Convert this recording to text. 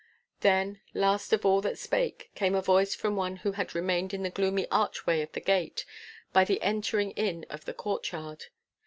Then, last of all that spake, came a voice from one who had remained in the gloomy archway of the gate, by the entering in of the courtyard.